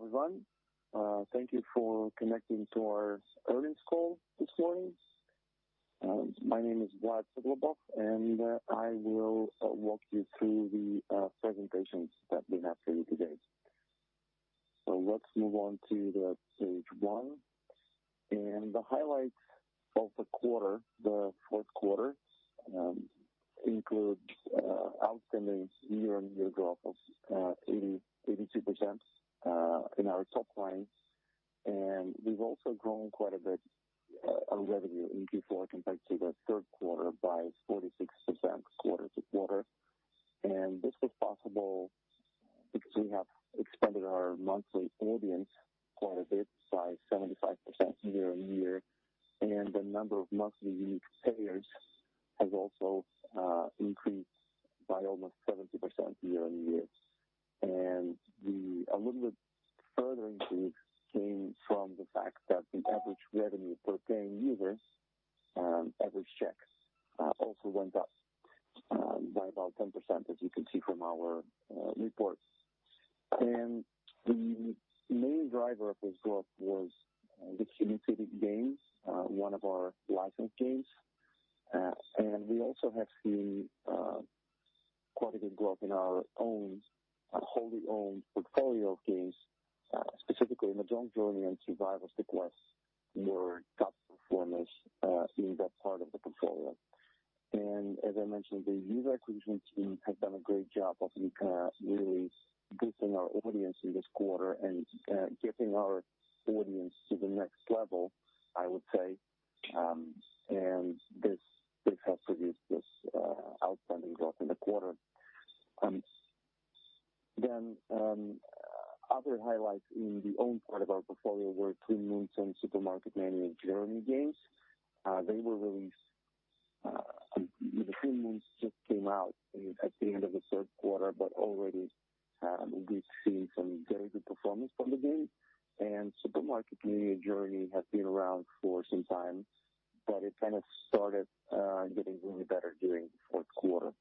Hello, everyone. Thank you for connecting to our earnings call this morning. My name is Vlad Suglobov, and I will walk you through the presentations that we have for you today. Let's move on to the page one, the highlights of the quarter, the fourth quarter, includes outstanding year-on-year growth of 82% in our top line. We've also grown quite a bit our revenue in Q4 compared to the third quarter by 46% quarter-to-quarter. This was possible because we have expanded our monthly audience quite a bit, by 75% year-on-year, and the number of monthly unique payers has also increased by almost 70% year-on-year. A little bit further increase came from the fact that the average revenue per paying users, average checks, also went up by about 10%, as you can see from our reports. The main driver of this growth was the Hidden City games, one of our licensed games. We also have seen quite a good growth in our wholly owned portfolio of games, specifically Mahjong Journey and Survivors: The Quest were top performers in that part of the portfolio. As I mentioned, the user acquisition team has done a great job of really boosting our audience in this quarter and getting our audience to the next level, I would say, and this has produced this outstanding growth in the quarter. Other highlights in the owned part of our portfolio were Twin Moons and Supermarket Mania Journey games. Twin Moons just came out at the end of the third quarter, but already we've seen some very good performance from the game, and Supermarket Mania Journey has been around for some time, but it started getting really better during the fourth quarter.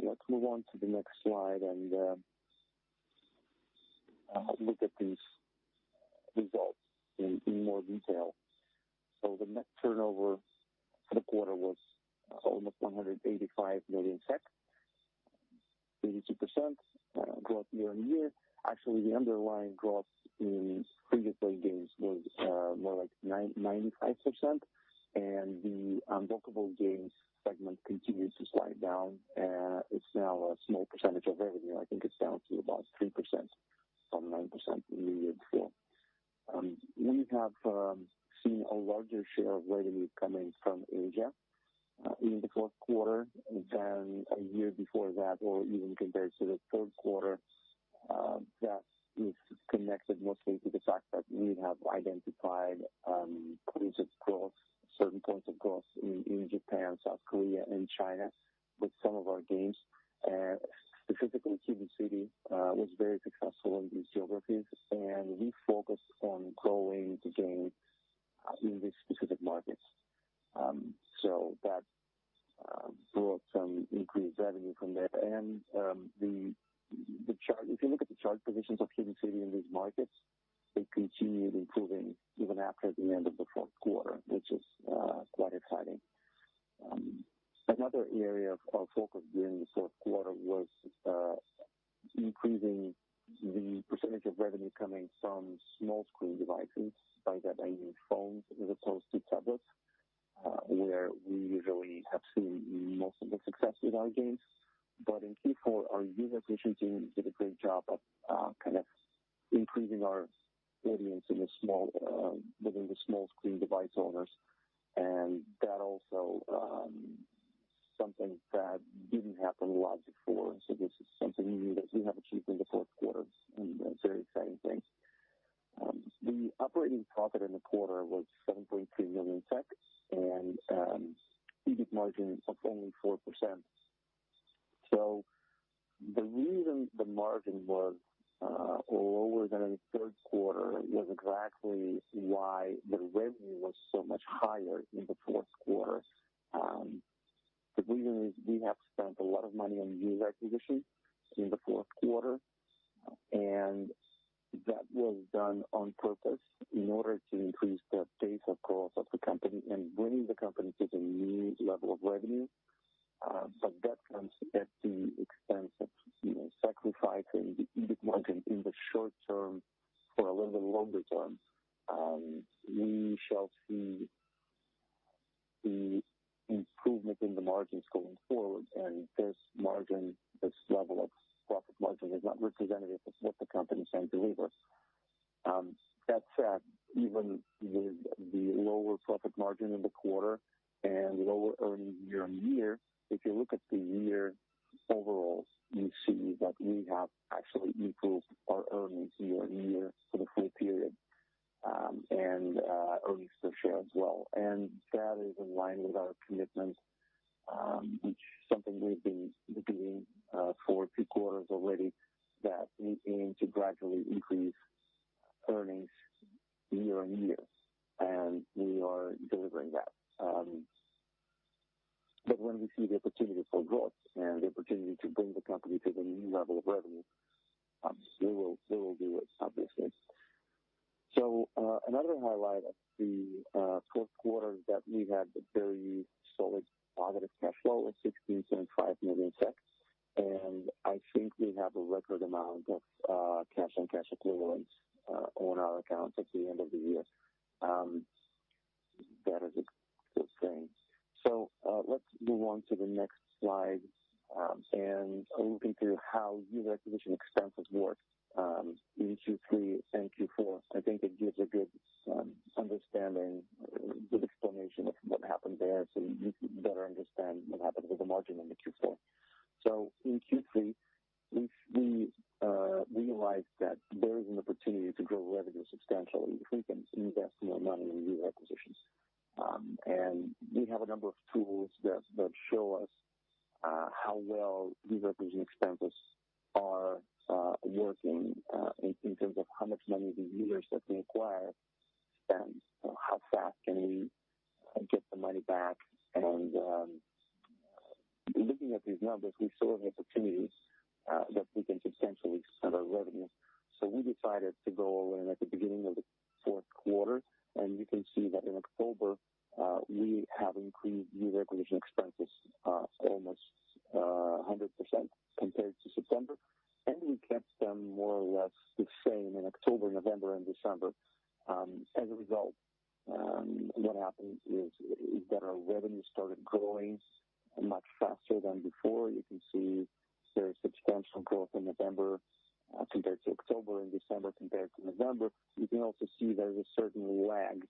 Let's move on to the next slide and look at these results in more detail. The net turnover for the quarter was almost 185 million, 82% growth year-on-year. Actually, the underlying growth in free-to-play games was more like 95%, and the unlockable games segment continues to slide down. It's now a small percentage of revenue. I think it's down to about 3% from 9% in the year before. We have seen a larger share of revenue coming from Asia in the fourth quarter than a year before that or even compared to the third quarter. That is connected mostly to the fact that we have identified points of growth, certain points of growth in Japan, South Korea, and China with some of our games. Specifically Hidden City was very successful in these geographies, and we focused on growing the game in these specific markets. That brought some increased revenue from there. If you look at the chart positions of Hidden City in these markets, they continued improving even after the end of the fourth quarter, which is quite exciting. Another area of focus during the fourth quarter was increasing the percentage of revenue coming from small screen devices. By that I mean phones as opposed to tablets, where we usually have seen most of the success with our games. In Q4, our user acquisition team did a great job of increasing our audience within the small screen device owners, that also something that did not happen a lot before. This is something that we have achieved in the fourth quarter, and that is a very exciting thing. The operating profit in the quarter was 7.3 million and EBIT margin of only 4%. The reason the margin was lower than in the third quarter was exactly why the revenue was so much higher in the fourth quarter. The reason is we have spent a lot of money on user acquisition in the fourth quarter, that was done on purpose in order to increase the pace, of course, of the company and bring the company to the new level of revenue. That comes at the expense of sacrificing the EBIT margin in the short term for a little longer term. We shall see the improvement in the margins going forward, and this margin, this level of profit margin, is not representative of what the company is trying to deliver. That said, even with the lower profit margin in the quarter and lower earnings year-on-year, if you look at the year overall, you see that we have actually improved our earnings year-on-year for the full period, and earnings per share as well. That is in line with our commitment, which something we have been doing for two quarters already, that we aim to gradually increase earnings year-on-year, and we are delivering that. When we see the opportunity for growth and the opportunity to bring the company to the new level of revenue, obviously, we will do it, obviously. Another highlight of the fourth quarter is that we had a very solid positive cash flow of 16.5 million. I think we have a record amount of cash and cash equivalents on our accounts at the end of the year. That is a good thing. Let's move on to the next slide and looking through how user acquisition expenses worked in Q3 and Q4. I think it gives a good understanding, a good explanation of what happened there, so you can better understand what happened with the margin in the Q4. In Q3, we realized that there is an opportunity to grow revenue substantially if we can invest more money in user acquisition. We have a number of tools that show us how well user acquisition expenses are working in terms of how much money the users that we acquire spend, how fast can we get the money back. Looking at these numbers, we saw an opportunity that we can substantially expand our revenues. We decided to go all in at the beginning of the fourth quarter, and you can see that in October, we have increased user acquisition expenses almost 100% compared to September. We kept them more or less the same in October, November, and December. As a result, what happened is that our revenue started growing much faster than before. You can see there is substantial growth in November compared to October and December compared to November. You can also see there is a certain lag.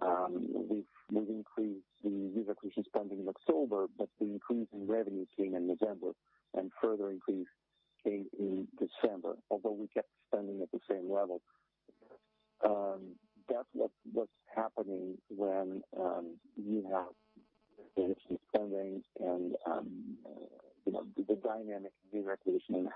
We've increased the user acquisition spending in October, but the increase in revenue came in November and further increase came in December, although we kept spending at the same level. That's what's happening when you have user acquisition spendings and the dynamic of new acquisition and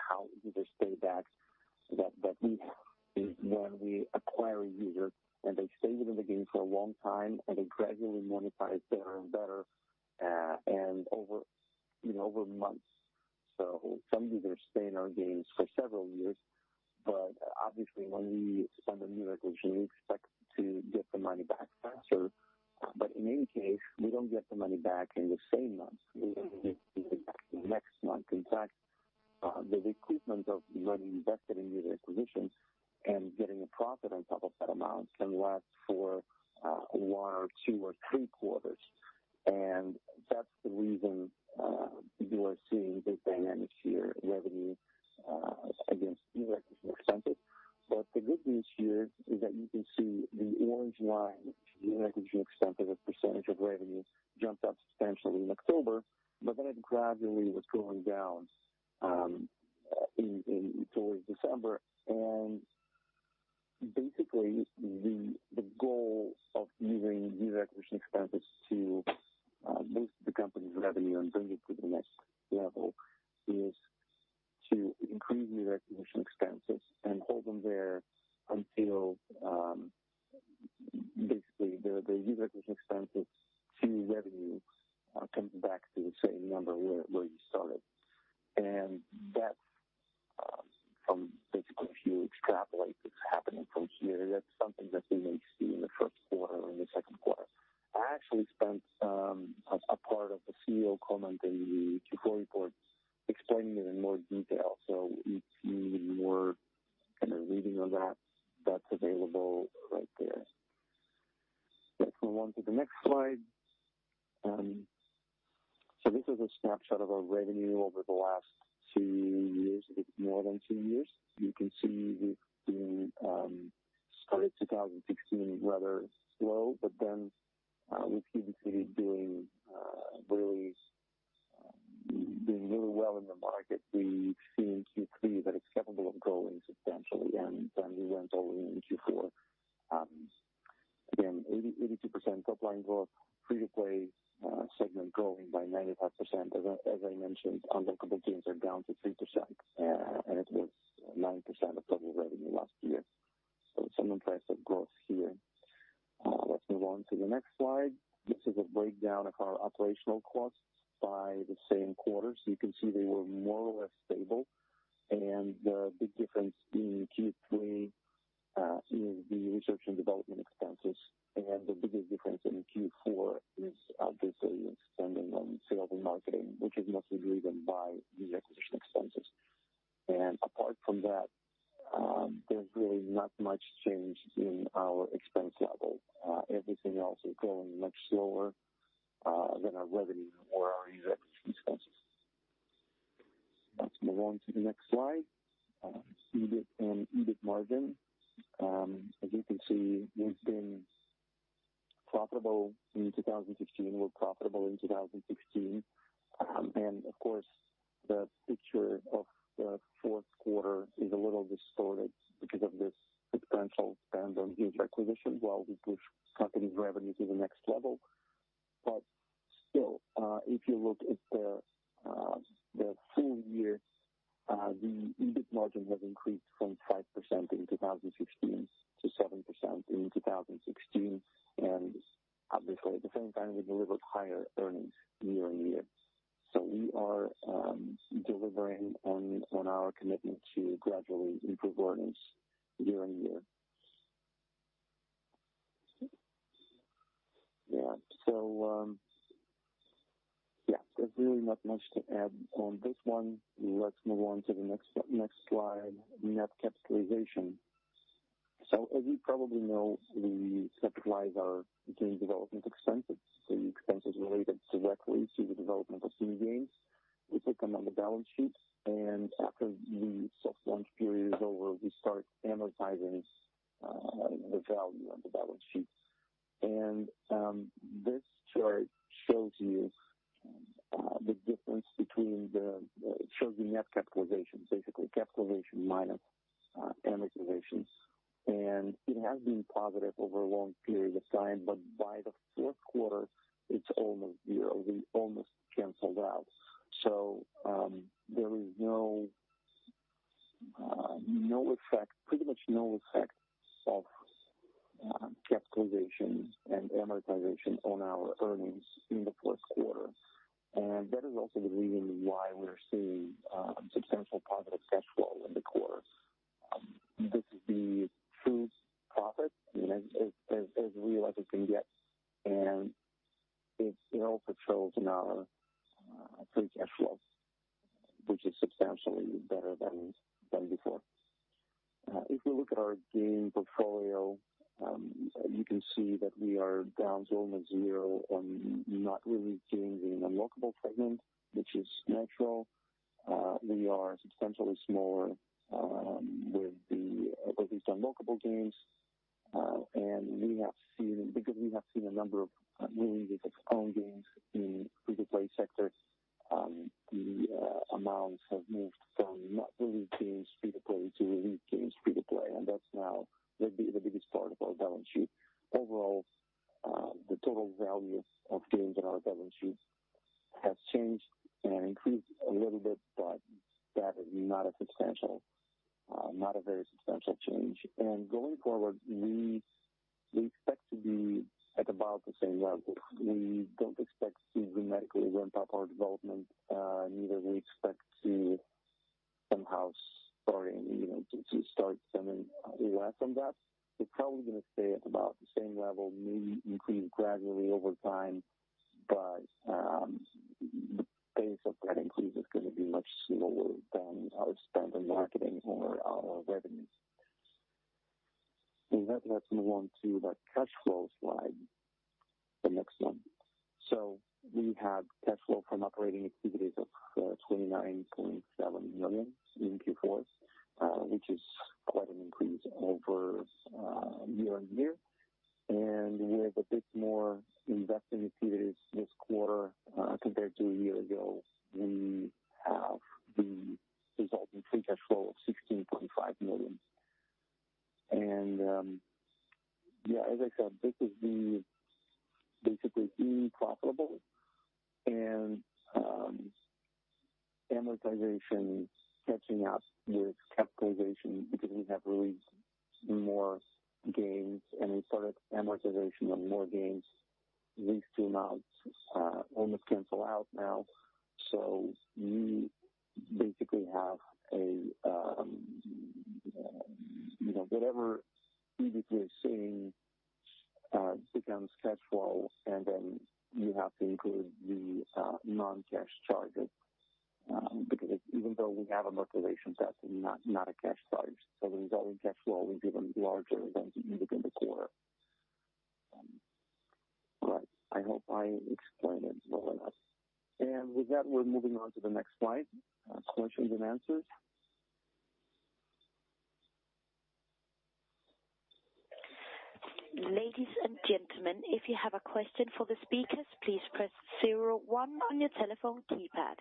towards December. Basically, the goal of using new acquisition expenses to boost the company's revenue and bring it to the next level is to increase new acquisition expenses and hold them there until basically the user acquisition expenses to revenue are coming back to the same number where you started. That's from basically if you extrapolate what's happening from here, that's something that we may see in the first quarter or in the second quarter. I actually spent a part of the CEO comment in the Q4 report explaining it in more detail. If you need more kind of reading on that's available right there. Let's move on to the next slide. This is a snapshot of our revenue over the last two years, a bit more than two years. You can see we started 2016 rather slow, but then we seem to be doing really well in the market. We've seen in Q3 that it's capable of growing substantially, then we went all in in Q4. Again, 82% top line growth, free-to-play segment growing by 95%. As I mentioned, downloadable games are down to 3%, and it was 9% of total revenue last year. Some impressive growth here. Let's move on to the next slide. This is a breakdown of our operational costs by the same quarter. You can see they were more or less stable. The big difference in Q3 is the research and development expenses. The biggest difference in Q4 is obviously the spending on sale and marketing, which is mostly driven by new acquisition expenses. Apart from that, there's really not much change in our expense level. Everything else is growing much slower than our revenue or our user acquisition expenses. Let's move on to the next slide. EBIT and EBIT margin. As you can see, we've been profitable in 2016. We're profitable in 2016. Of course, the picture of the fourth quarter is a little distorted because of this substantial spend on new user acquisition while we push company's revenue to the next level. Still, if you look at the full year, the EBIT margin has increased from 5% in 2015 to 7% in 2016. Obviously, at the same time, we delivered higher earnings year-on-year. We are delivering on our commitment to gradually improve earnings year-on-year. Yeah. There's really not much to add on this one. Let's move on to the next slide. Net capitalization. As you probably know, we capitalize our game development expenses, so expenses related directly to the development of CD games. We take them on the balance sheets, and after the soft launch period is over, we start amortizing the value on the balance sheets. This chart shows you the net capitalization, basically capitalization minus amortization. It has been positive over a long period of time. By the fourth quarter, it's almost zero. We almost canceled out. There is pretty much no effect of capitalization and amortization on our earnings in the fourth quarter. That is also the reason why we're seeing substantial positive cash flow in the quarter. This is the true profit as real as it can get, and it also shows in our free cash flows, which is substantially better than before. If we look at our game portfolio, you can see that we are down to almost zero on not really changing unlockable segment, which is natural. We are substantially smaller with these unlockable games. Because we have seen a number of newly released own games in free-to-play sector, the amounts have moved fro`m not really games free-to-play to really games free-to-play, and that's now the biggest part of our balance sheet. Overall, the total value of games on our balance sheet has changed and increased a little bit. That is not a very substantial change. Going forward, we expect to be at about the same level. We don't expect to dramatically ramp up our development, neither do we expect to somehow start stemming the loss on that. It's probably going to stay at about the same level, maybe increase gradually over time. The pace of that increase is going to be much slower than our spend on marketing or our revenues. With that, let's move on to the cash flow slide, the next one. We have cash flow from operating activities of 29.7 million in Q4, which is quite an increase over year-on-year. With a bit more investing activities this quarter compared to a year ago, we have the resulting free cash flow of SEK 16.5 million. As I said, this is basically being profitable and amortization catching up with capitalization because we have released more games and we started amortization on more games. These two amounts almost cancel out now. We basically have whatever EBIT we're seeing becomes cash flow, and then you have to include the non-cash charges because even though we have amortization, that's not a cash charge. The resulting cash flow will be even larger than EBIT in the quarter. Right. I hope I explained it well enough. With that, we're moving on to the next slide. Questions and answers. Ladies and gentlemen, if you have a question for the speakers, please press zero one on your telephone keypad.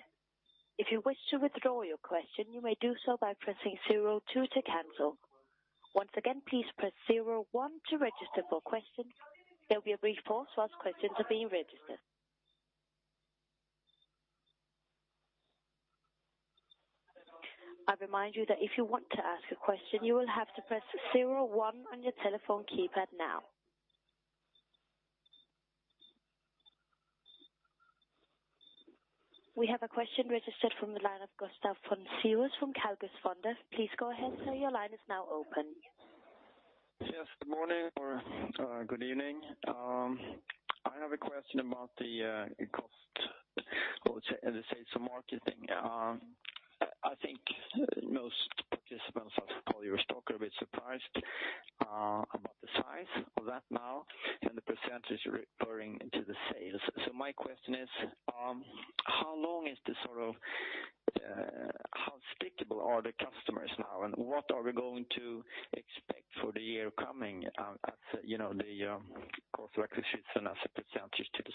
If you wish to withdraw your question, you may do so by pressing zero two to cancel. Once again, please press zero one to register for questions. There'll be a brief pause whilst questions are being registered. I remind you that if you want to ask a question, you will have to press zero one on your telephone keypad now. We have a question registered from the line of Gustaf von Schantz from Carnegie Fonder. Please go ahead, sir. Your line is now open. Yes. Good morning or good evening. I have a question about the cost, let's say, of marketing. I think most participants of your talk are a bit surprised about the size of that now and the percentage referring to the sales. My question is, how stickable are the customers now, and what are we going to expect for the year coming as the cost of acquisition as a percentage to the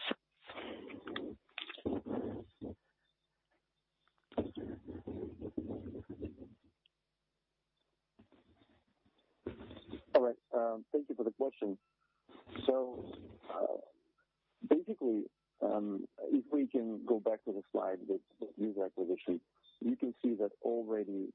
sales? All right. Thank you for the question. Basically, if we can go back to the slide with user acquisition, you can see that already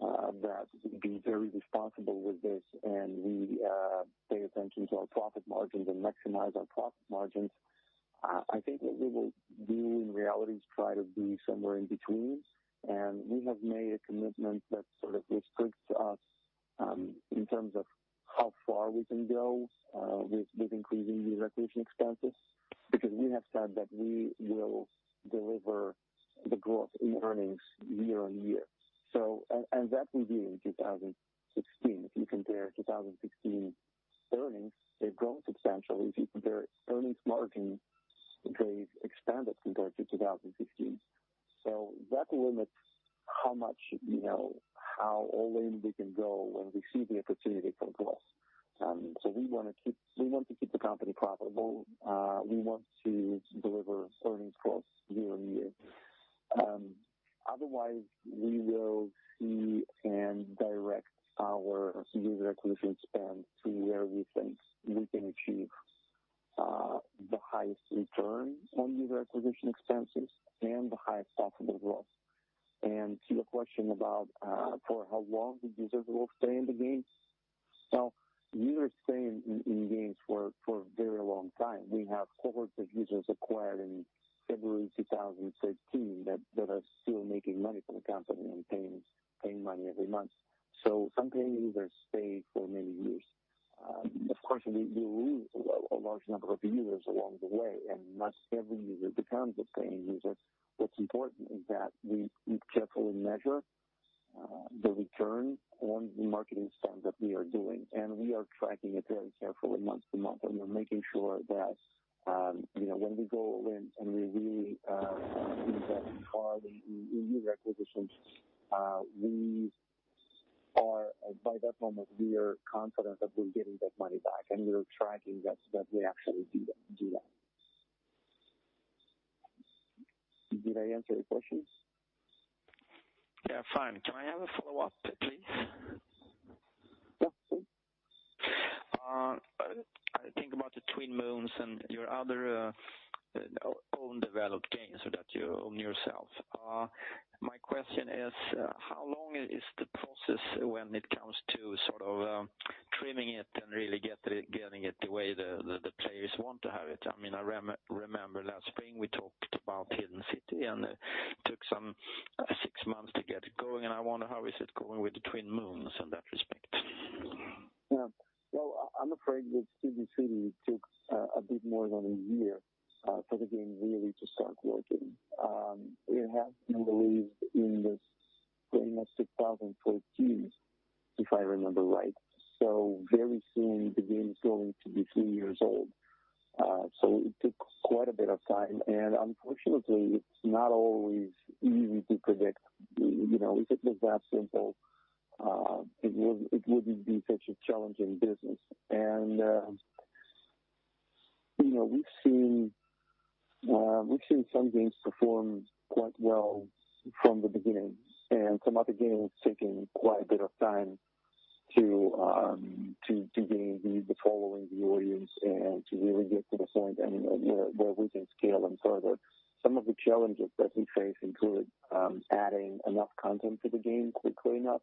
that we be very responsible with this and we pay attention to our profit margins and maximize our profit margins. I think what we will do in reality is try to be somewhere in between. We have made a commitment that sort of restricts us in terms of how far we can go with increasing user acquisition expenses, because we have said that we will deliver the growth in earnings year-on-year. That we did in 2016. If you compare 2016 earnings, they've grown substantially. If you compare earnings margin, they've expanded compared to 2015. That limits how all in we can go when we see the opportunity for growth. We want to keep the company profitable. We want to deliver earnings growth year-on-year. Otherwise, we will see and direct our user acquisition spend to where we think we can achieve the highest return on user acquisition expenses and the highest possible growth. To your question about for how long the users will stay in the games. Users stay in games for a very long time. We have cohorts of users acquired in February 2013 that are still making money for the company and paying money every month. Some paying users stay for many years. Of course, we lose a large number of users along the way, and not every user becomes a paying user. What's important is that we carefully measure the return on the marketing spend that we are doing, and we are tracking it very carefully month-to-month. We're making sure that when we go in and we really invest heavily in user acquisition, by that moment, we are confident that we're getting that money back and we're tracking that we actually do that. Did I answer your question? Yeah. Fine. Can I have a follow-up, please? Yeah. I think about the "Twin Moons" and your other own developed games that you own yourself. My question is, how long is the process when it comes to sort of trimming it and really getting it the way the players want to have it? I mean, I remember last spring we talked about "Hidden City" and it took some six months to get it going, and I wonder, how is it going with the "Twin Moons" in that respect? Yeah. Well, I'm afraid with "Hidden City", it took a bit more than a year for the game really to start working. It has been released in the spring of 2014, if I remember right. Very soon the game's going to be three years old. It took quite a bit of time, and unfortunately, it's not always easy to predict. If it was that simple, it wouldn't be such a challenging business. We've seen some games perform quite well from the beginning, and some other games taking quite a bit of time to gain the Audience and to really get to the point where we can scale them further. Some of the challenges that we face include adding enough content to the game quickly enough,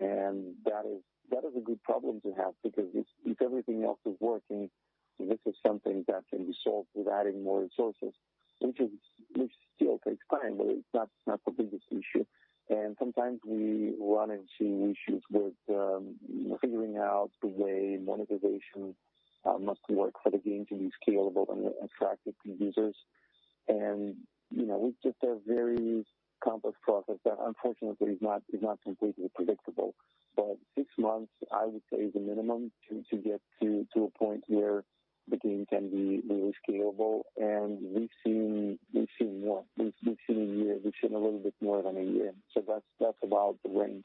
and that is a good problem to have because if everything else is working, this is something that can be solved with adding more resources, which still takes time, but it's not the biggest issue. Sometimes we run into issues with figuring out the way monetization must work for the game to be scalable and attractive to users. It's just a very complex process that unfortunately is not completely predictable. Six months, I would say, is a minimum to get to a point where the game can be really scalable, and we've seen more. We've seen a year, we've seen a little bit more than a year. That's about the range.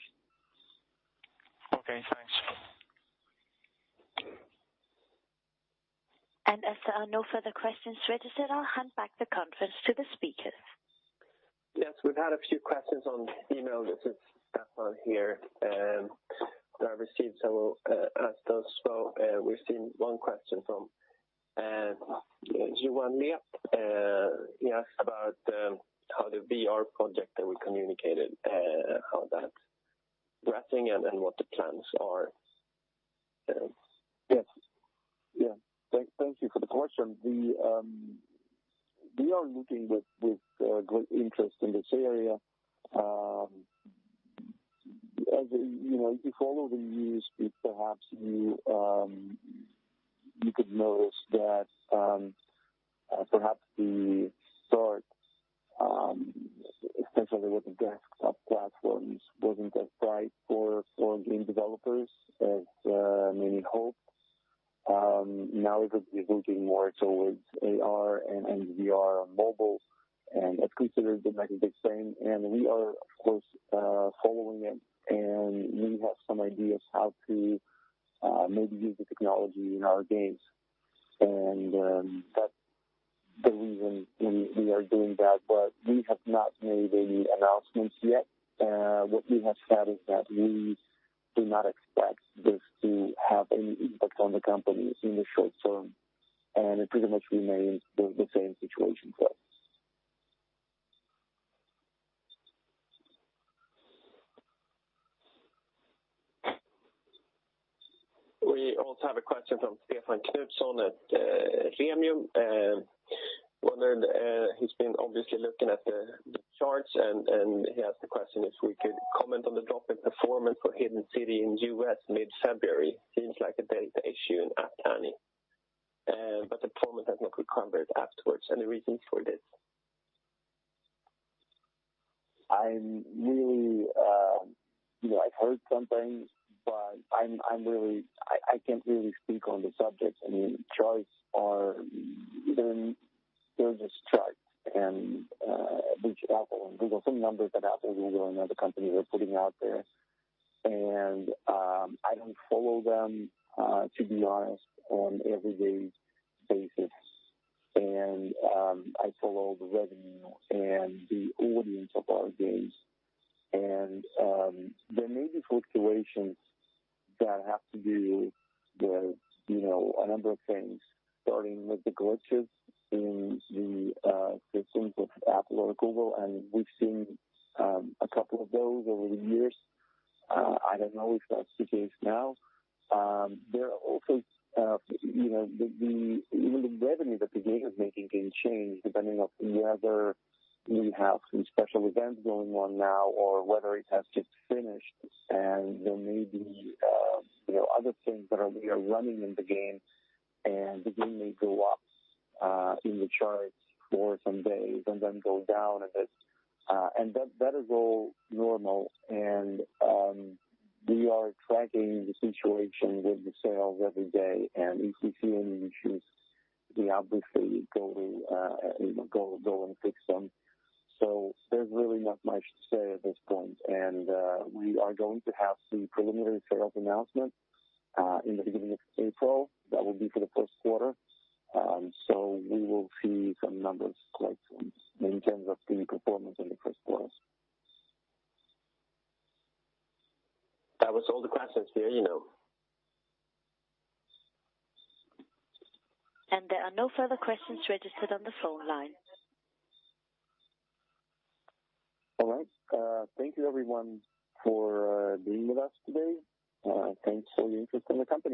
Okay, thanks. As there are no further questions registered, I'll hand back the conference to the speakers. Yes, we've had a few questions on email. This is Stefan here, that I received, so I will ask those. We've seen one question from Juan Lia. He asked about how the VR project that we communicated, how that's progressing and what the plans are. Yes. Thank you for the question. We are looking with great interest in this area. If you follow the news, perhaps you could notice that perhaps the start, essentially with the desktop platforms, wasn't as right for game developers as many hoped. Now it is looking more towards AR and VR mobile, and it's considered the next big thing, and we are, of course, following it, and we have some ideas how to maybe use the technology in our games. That's the reason we are doing that, but we have not made any announcements yet. What we have said is that we do not expect this to have any impact on the company in the short term, and it pretty much remains the same situation for us. We also have a question from Stefan Knutsson at Remium. He's been obviously looking at the charts, and he asked the question if we could comment on the drop in performance for Hidden City in U.S. mid-February. Seems like a data issue in App Annie. The performance has now recovered afterwards. Any reasons for this? I've heard some things, but I can't really speak on the subject. I mean, charts are just charts, which Apple and Google, some numbers that Apple, Google, and other companies are putting out there. I don't follow them, to be honest, on an everyday basis. I follow the revenue and the audience of our games. There may be fluctuations that have to do with a number of things, starting with the glitches in the systems of Apple or Google, and we've seen a couple of those over the years. I don't know if that's the case now. Even the revenue that the game is making can change depending on whether we have some special events going on now or whether it has just finished, there may be other things that are running in the game, the game may go up in the charts for some days and then go down a bit. That is all normal, we are tracking the situation with the sales every day, if we see any issues, we obviously go and fix them. There's really not much to say at this point. We are going to have some preliminary sales announcements in the beginning of April. That will be for the first quarter. We will see some numbers quite soon in terms of the performance in the first quarter. That was all the questions we know. There are no further questions registered on the phone line. All right. Thank you everyone for being with us today. Thanks for your interest in the company.